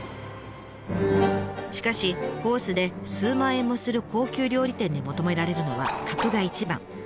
しかしコースで数万円もする高級料理店で求められるのは格が一番。